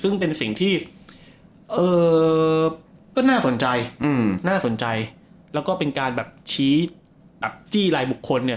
ซึ่งเป็นสิ่งที่ก็น่าสนใจน่าสนใจแล้วก็เป็นการแบบชี้แบบจี้ลายบุคคลเนี่ย